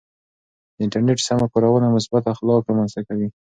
د انټرنیټ سمه کارونه مثبت اخلاق رامنځته کوي.